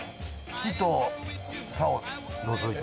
キとサを除いて？